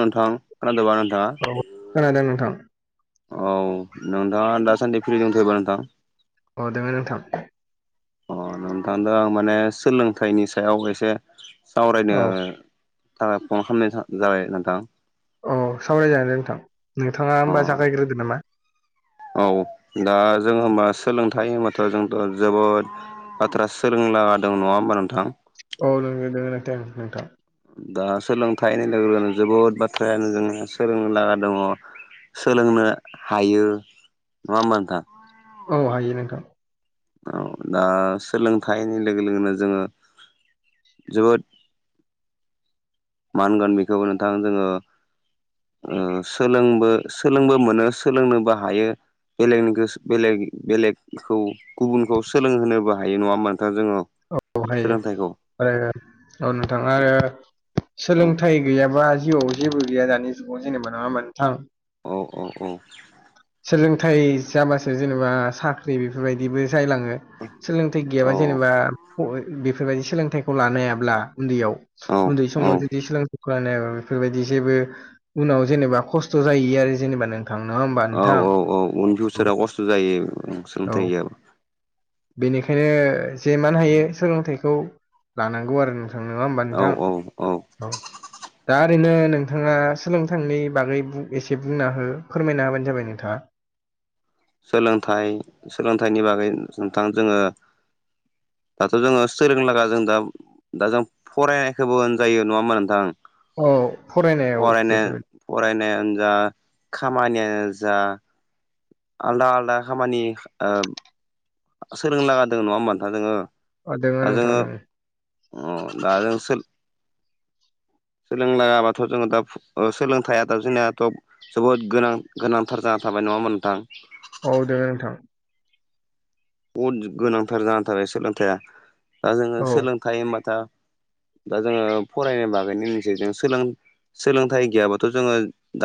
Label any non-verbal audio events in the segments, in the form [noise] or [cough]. नोंथां खोनादोबा नोंथांङा औ खोनादों नोंथां औ नोंथाङा दासान्दि फ्रि दंथयोबा नोंथां अ दंङो नोंथां अ नोंथांदों आं माने सोलोंथाइनि सायाव एसे सावरायनो औ थाखाय फन खालामनाय जाबाय नोंथां अ सावरायजागोन दे नोंथां नोंथांङा अ होमबा जागायग्रोदो नामा औ दा जों होनबा सोलोंथाइ होनबाथ' जोंथ' जोबोद बाथ्रा सोलोंलादों नंङा होमबा नोंथां औ दों दे दंङो नोंथां नोंथां दा सोलोंथाइनि लोगो लोगोनो जोबोद बाथ्रायानो जोंहा सोलोंनो लागा दंङो सोलोंनो हायो नंङा होमबा नोंथां औ हायो नोंथां औ दा सोलोंथाइनि लोगो लोगोनो जोंङो जोबोद मा होनगोन बेखौबो नोंथां जोंङो सोलोंबो सोलोंबो मोनो सोलोंनोबो हायो। बेलेगनि गोसो बेलेग बेलेगखौ गुबुनखौ सोलोंहोनोबो हायो नंङा होनानोथ' जोंङो औ हायो आरोनो औ नोंथा आरो औ सोलोंथाइ गैयाबा जिउआव जेबो गैया दानि जुगाव जेनेबा नंङा नोंथां औ औ औ सोलोंथाइ जाबासो जेनेबा साख्रि बेफोरबायदिबो जायलांङो सोलोंथाइ औ गैयाबा जेनेबा बेफोरबायदि सोलोंथाइखौ लानो हायाब्ला उन्दैयाव उन्दै औ समाव जुदि सोलोंथाइ लानोहायाबा बेफोरबायदि जेबो उनाव जेनेबा खस्थ' जाहैयो आरो जेनेबा नों। थांनोहो ओमबा। औ औ औ उन फिउसाराव खस्थ' जायो ओ सोलोंथाइ औ गैयाबा। बेनिखायनो जे मान हायो सोलोंथाइखौ लानांगौ आरो नों थां नोंङा होमबा औ नोंथां औ औ। दा ओरैनो नोंथाङा सोलोंथांनि बागै एसे बुंना हो फोरमायना होबानो जाबाय नोंथाङा। सोलोंथाइ सोलोंथाइनि बागै नोंथां जोङो दाथ' जोङो सोंलोंनो लागा जों दा दा जों फरायाखैबो होनजायो नङा होमा नोंथां। औ फरायनायाव फरायनो बेफोरो फरायनायानो जा खामानियानो जा। आलदा आलदा खामानि ओ सोलोंनो लागा दोङो नङा होमबा नोंथां जोङो। दोङो दा नोंथां जोङो दोङो अ दा जों सोर सोलोंनोलागाबाथ' जोङो दा सोलोंथाइ दा जोंनियाथ' जोबोद गोनां गोनांथार जाना थाबाय नङा ओमबा नोंथां? औ दोङो नोंथां। बुहुद गोनांथार जानानै थार सोलोंथाइया दा जोङो औ सोलोंथाइ होनबाथा दा जोङो फरायनो बागैनो मोनसे जों सोलों सोलोंथाइ गैयाबाथ' जोङो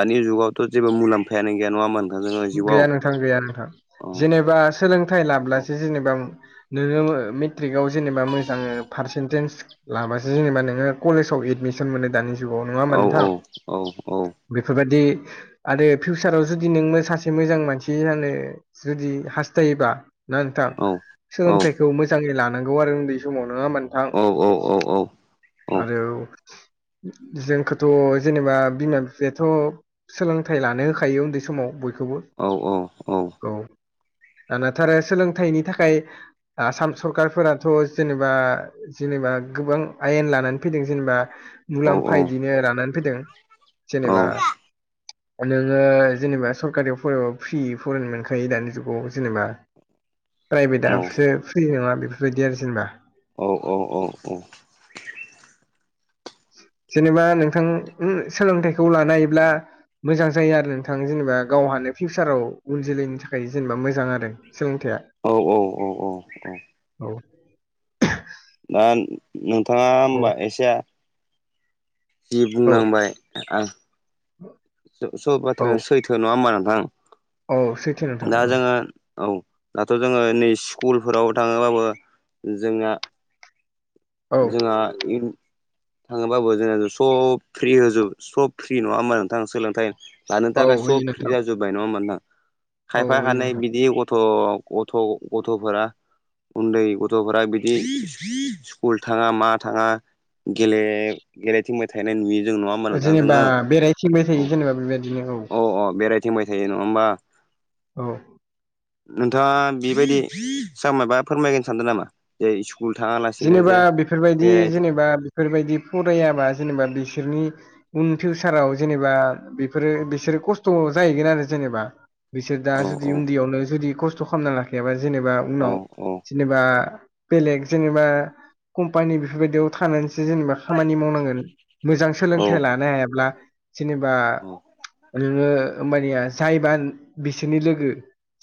दानि जुगावथ' जेबो मुलाम्फायानो गैया नङा होनबा गैया नोंथां गैया नोंथां जेनेबा सोलोंथाइ लाब्लासो जेनेबा नोङो मेट्रिकआव जेनेबा मोजाङो पारसेन्टेज लाबासो जेनेबा नोङो कलेजाव एदमिसन मोनो दानि जुगाव नङा होमबा औ नोंथां। औ औ औ बेफोरबादि आरो फिउचाराव जुदि नोंङो सासे एसे मोजां मानसि जानो जुदि हास्थायोबा ना नोंथां? औ सोलोंथाइखौ मोजाङै लानांगौ आरो उन्दै समाव नोङा ओमबा नों नोंथां औ औ औ आरो जोंखोथ' जेनेबा बिमा बिफायाथ' सोलोंथाइ लानो होखायो उन्दै समाव बयखौबो औ औ। दानाथा आरो सोलोंथाइनि थाखाय आसाम सरखारफोराथ' जेनेबा जेनेबा गोबां आयेन लानानै फैदों। जेनेबा औ मुलाम्फा इदिनो राननानै फैदों। औ जेनेबा नोङो जेनेबा सरकारियाव फरायबाबो फ्रियै फरायनो मोनखायो दानि जुगाव जेनेबा। औ प्राइभेटआसो फ्रि नोङा बेफोरबायदि आरो जेनेबा। औ औ औ औ जेनेबा नोंथां सोलोंथाइखौ लानोहायोब्ला मोजां जायो आरो नोंथां जेनेबा गावहानो फिउचाराव उन जोलोयनि थाखाय जेनेबा मोजां आरो। सोलोंथाइआ। औ औ औ औ औ दा नोंथाङा औ होमबा एसे। जि औ बुंनांबाय आं। स औ बाथ्राया सैथो नङा होमबा नोंथां औ सैथो नोंथां दा औ जोङो औ दाथ' जोङो नै स्कुलफोराव थाङोबाबो जोंना औ जोंआ थाङोबाबो जोंना सब फ्रि होजोब सब फ्रि नङा होमबा नोंथां सोलोंथाइ लानो औ थाखाय सब होयो फ्रि नोंथां जाजोब्बाय नङा होमबा नोंथां औ खायफा होयो खानै नोंथां बिदि गथ' गथ' गथ'फोरा उन्दै गथ'फोरा बिदि स्कुल थाङा मा थाङा गेले गेलेथिंबाय थानाय नुयो जों नङा होमबा नोंथां जोङो? थिनबाय औ थायो जेनेबा बेबायदिनो औ अ बेराय थिंबाय थायो नङा होमबा? औ नोंथाङा बेबायदि सा मायबा फोरमायगोन सानदों नामा जे स्कुल थाङाला जेनेबा बेफोरबायदि जेनेबा बेफोरबायदि फरायाबा जेनेबा बिसोरनि उन फिउसाराव जेनेबा बेफोरो बिसोरो खस्थ' जाहैगोन आरो जेनेबा बिसोर दा औ औ जुदि उन्दैयावनो जुदि खस्थ' खालामना लाखायाबा जेनेबा औ उनाव औ जेनेबा बेलेग जेनेबा कम्पानि बेफोरबायदियाव थानानैसो जेनेबा खामानि मावनांगोन। मोजां औ सोलोंथाइ लानो हायाब्ला जेनेबा औ ओरैनो होमबानिया जायबा बिसोरनि लोगो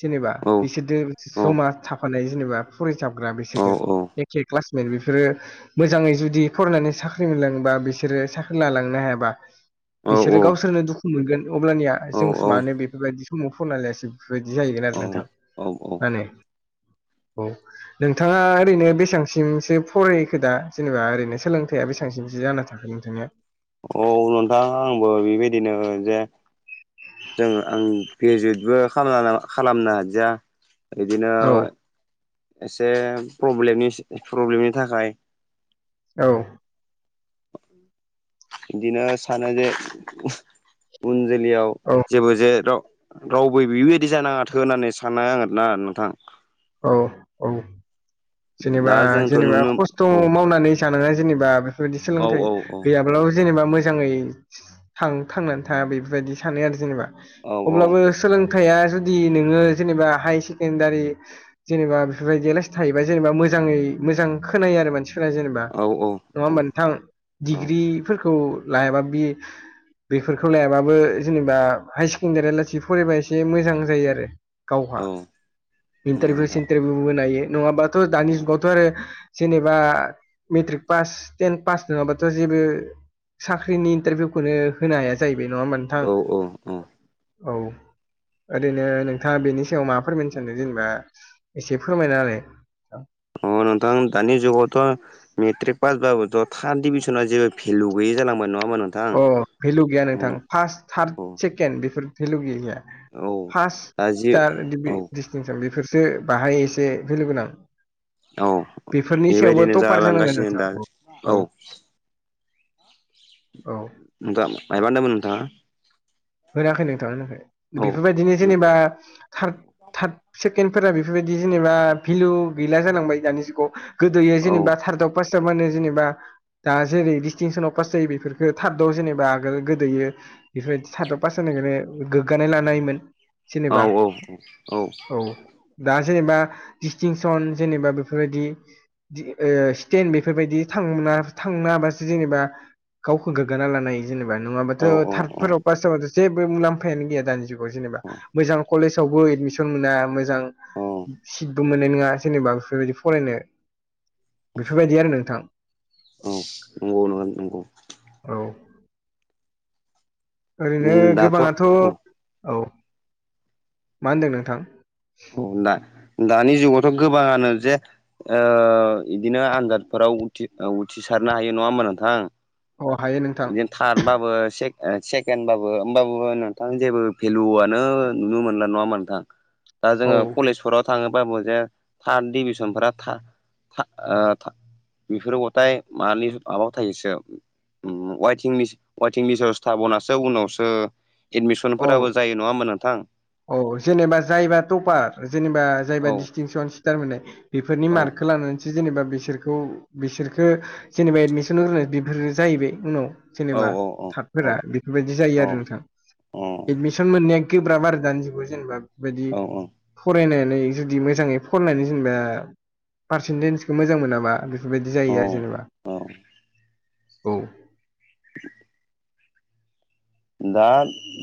जेनेबा औ बिसोरजों औ जमा था रो जेनेबा फरायसग्रा औ बिसोरजों एखे क्लासमेट बेफोरो मोजाङै जुदि फरायनानै साख्रि मोनलाङोबा बिसोरो साख्रि लालांनो हायाबा बिसोरो गावसोरनो दुखु मोनगोन अब्लानिया औ जों मानो बेफोरबायदि समाव फरायनालायासै। बिदि जाहैगोन आरो नोंथां मा औ औ होनो औ नोंथाङा ओरैनो बेसेबांसिमसो फरायखो दा जेनेबा ओरैनो सोलोंथाइया बेसांसिमसो जाना थाखो नोंथांनिया। औ नोंथां आंबो बेबायदिनो जे जों आं ग्रेजुवेटबो खाला खालामनो हादिया। बिदिनो औ एसेे प्रब्लेमनि थाखाय औ बिदिनो सानो जे उन जोलैयाव औ जेबो जे राव रावबो बेबायदि जानाङाथों होननानै सान आङो आरोना नोंथां। औ औ दा जेनेबा जोंथ' जेनेबा नुनो खस्थ' औ मावनानै जानाङा जेनेबा बेफोरबायदि औ सोलोंथाइ औ औ औ गैयाब्लाबो जेनेबा मोजाङै थां थांनानै था बेफोरबायदि सानो आरो जेनेबा। औ अब्लाबो सोलों खाया जुदि नोङो जेनेबा हायार सेकेणडारि जेनेबा बेफोरबायदिलासि थायो। ओमफ्राय जेनेबा मोजाङै मोजां खोनायो आरो मानसिफोरा जेनेबा औ नङा होनबा नोंथां औ डिग्रिफोरखौ लायाबाबो बि बेफोरखौ लायाबाबो जेनेबा हायार सेकेण्डारि आलासि फरायबा एसे मोजां जायो आरो। गावहा औ नंगौ इन्टारभिउ नोंथां सिन्टारभिउबो होनाय नङाबाथ' औ दानि जुगावथ' आरो जेनेबा मेट्रिक पास टेन पास नङाबाथ' जेबो साख्रिनि इन्टारभिउखौनो होनो हाया जाहैबाय नङा होम औ औ उम औ ओरैनो नोंथाङा बेनि सायाव मा फोरमायनो सानदों जेनेबा एसे फोरमायना होलाय। [inaudible] अ नोंथां दानि जुगावथ' मेट्रिक पासबाबो ज' थार्द डिभिनना जेबो भेलु गैयि जालांबाय नङा होनबा नों अ भेलु गैया नोंथां फार्स्ट थार्ड औ सेकेणड बेफोर भेलु गैयिया औ फास दा जि स्टार औ दिडिस्टिंसन बेफोरसो बाहाय एसे भेलु गोनां। औ बेफोरनि सायावबो बेबायदिनो थपार जानांगोन जालांगासिनो नोंथां दा औ औ [inaudible] औ नोंथाङा मायबा होनदोंमोन नोंथाङा? होनाखै नों औ बेफोरबायदिनो जेनेबा थां थार्द सेकेणडफोरा बेफोरबायदि जेनेबा भेलु गैला जालांबाय दानि जुगाव। गोदोयो औ जेनेबा थार्दआव पास्टआव माने जेनेबा दा जेरै डिस्टिंसनाव पास जायो बेफोरफोरखो थार्दआव जेनेबा आगोल गोदैयो बेफो सार्दआव पासजानायखौनो गोग्गानाय लानो हायोमोन औ जेनेबा औ। दा जेनेबा डिस्टिंसन जेनेबा बेफोरबायदि स्टेेन बेफोर बायदि थांना थांनो हाबासो जेनेबा गावखौ गोग्गाना लानाय जेनेबा नङाबाथ' औ थार्दफोराव पास जाबाथ' जेबो मुलाम्फायानो गैया दानि जुगाव जेनेबा नों आं कलेजावबो एडमिसन मोना मोजां औ दुु मोननाय नङा जेनेबा बेफोरबायदि फरायनो बेफोर बायदि आरो नोंथां औ नंगौ नङा नंगौ औ ओरैनो गोबाङाथ' औ मा होनदों नोंथां? औ दा दानि जुगावथ' गोबाङानो जे ओ इदिनो आनजादफोराव उथिसारनो हायो नङा होमबा नोंथां? औ हायो नोंथां बिदिनो थार्दबाबो सेकेणडबाबो होमबाबो नोंथां जेबो भेलुआनो नुनो मोनला नङामोन। दा दा औ जोङो कलेजफोराव थाङोबाबो जे थार्द डिभिसनफोरा था था ओ था बेफोरबथाय मानि माबायाव थायोसो वाइटिं लिस वाइटिं लिसावसोथाबावनासो उनावसो औ फोराबो जायो नङा होनबा नोंथां औ जेनेबा जायबा टपार जेनेबा औ जायबा डिस्टिंसन स्टार मोननाय। बेफोरनि औ मार्कखौ लानानै जेनेबा बिसोरखौ बिसोरखौ जेनेबा एदमिसन होग्रोनानै बेफोरो जाहैबाय उनाव औ जेनेबा औ औ औ थाबफोरा बेफोर बायदि जायो औ आरो नोंथां औ एडमिसन मोननाया गोब्राब आरो दानि जुगाव जेनेबा बे बादि औ फरायनानै जुदि मोजाङै फरायनानै जेनेबा पारसेन्टेजखौ मोजां मोनाबा। बेफोरबायदि औ जायो आरो जेनेबा औ। [unintelligible] दा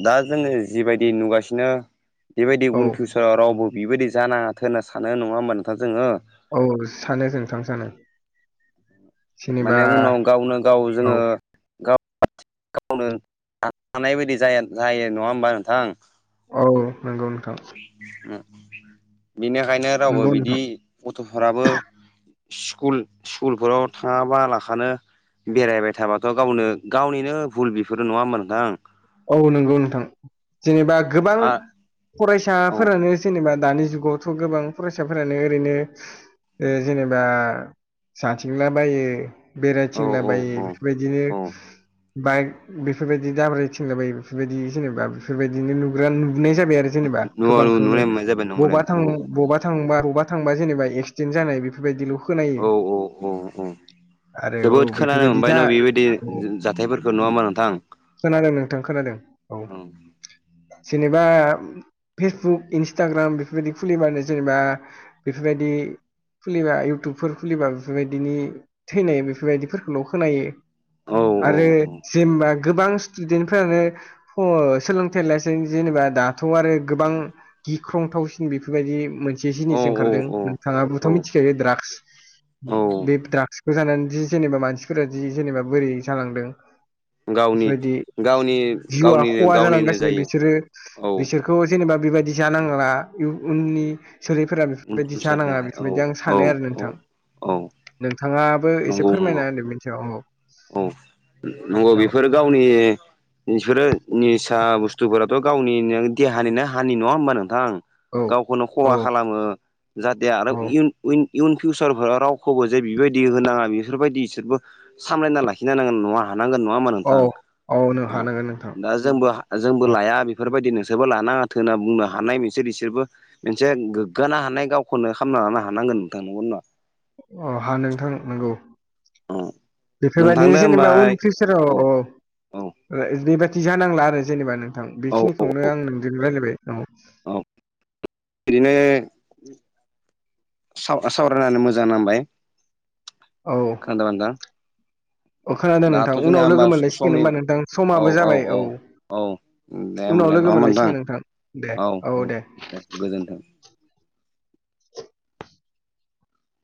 दा जोङो जिबायदि नुगासिनो बेबायदि औ [unintelligible] रावबो बिबायदि जानाङाथों होनना सानो नङा होमबा नोंथां जोङो औ सानो जों थांनो सानो। जेनेबा माने उनाव गावनो गाव औ जोङो गाव गावनो हानाय बादि जाया जायो नङा होमबा नोंथां? औ नंगौ नोंथां। बेनिखायनो रावबो नंगौ नोंथां बिदि गथ'फोराबो स्कुल स्कुलफोराव थाङाबा लाखानो बेरायबाय थाबाथ' गावनो गावनिनो भुल बेफोरो नङा होनबा नोंथां। औ नंगौ नोंथां जेनेबा गोबां आ औ फरायसाफोरा जेनेबा दानि जुगावथ' गोबां फरायसाफोरानो ओरैनो बे जेनेबा जाथिंला बायो औ बेरायथिंला औ बायो औ बेफोरबायदिनो औ बाइक बेफोर बायदि दाब्रथिं बेफोर बायदि जेनेबा बेफोर बायदि बिदिनो नुग्रा नुनाय जाबाय आरो जेनेबा न' गोबांखौनो नुनाय मोननाय जाबाय नंगौलाय बबावबा थां नंगौ बबेबा बबा बबा थांबा जेनेाक्सिडेन्ट जानाय बेफोरबायदिल' खोनायो औ औ औ। आरो औ जोबोद खोनानो बेफोरबायदि मोनबाय जा न' बेबायदि औ जाथायफोरखौ नंङा होनबा नोंथां खोनादों नोंथां खोनादों औ जेनेबा फेसबुक इन्सटाग्राम बेफोरबायदि खुलिबानो जेनेबा बेफोरबायदि खुलिबा इउटुबफोर खुलिबा बेफोर बायदिनि थैनाय बेफोर बायदिफोरखौल' खोनायो औ औ आरो जेनेबा गोबां स्टुडेन्ट फोरानो सोलोंथाइ लासै जेनेबा दाथ' आरो गोबां गिख्रंथावसिन बेफोरबायदि मोनसे औ जिनिस ओंखारदों औ औ नोंथांङाबथ' मिथिखायो द्राग्स औ बे द्राग्सखौ जानानै जि जेनेबा मानसिफोरा जि जेनेबा बोरै जालांदों। गावनि बेफोरबायदि गावनि जिउआ गावनिनो खहा गावनिनो जालांगासिनो जायो बिसोरो औ बिसोर खौ जेनेबा बेबायदि जानांला उननि सोलैफोरा उन बेफोरबायदि फिउसारनि जानांङा थाखाय औ बेफोरबायदि आं औ सानो आरो औ नोंथां औ नोंथांङा एसे नंगौ नंगौ फोरमायना होनदों मिथि औ नंगौ बेफोर गावनि बिसोरो निसा बुस्थुफोराथ' गावनि देहानिनो हानि नंङा होमबा नोंथां औ गावखौनो औ खहा खालामो जाहाथे आरो औ इयुन फिउचार फोर रावखौबो जे बिबायदि होनाङा बेफोरबायदि इसोरबो सामलायना लाखिनो नांगोन नंङा हानांगोन नंङा होमा औ नोंथां औ नों हानांगोन नोंथां दा जोंबो जोंबो अ लाया बेफोरबायदि नोंसोरबो लानाङाथों होनना बुंनो हानाय नोंसोर बिसोरबो मोनसे गोग्गानो हानाय गावखौनो खालामना लानो हानांगोन नोंथांनगौ नंङा अ हा नोंथां नंगौ नङा नोंथांनो बेफोरबायदिनो होमबा जेनेबा उन फिउचाराव औ औ बेबादि जानांला आरो जेनेबा नोंथां औ औ बेखिनिखौनो आं नोंजों रायज्लायबाय न औ ओरैनो सावरायनानै मोजां नांबाय औ [unintelligible] औ खोनादों नोंथां दाथ' जोंना उनाव होनबा लोगो मोनलायसिगोन समनि होमबा नोंथां औ समाबो औ जाबाय औ औ दे उनाव होमबालाय लोगो नङा नोंथां मोनलायसिगोन दे औ औ दे गोजोन्थों